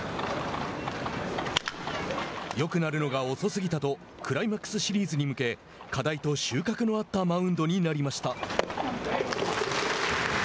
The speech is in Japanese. よくなるのが遅すぎたとクライマックスシリーズに向け課題と収穫のあったマウンドになりました。